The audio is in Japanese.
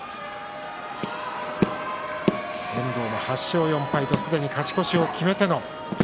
遠藤は８勝４敗すでに勝ち越しを決めての霧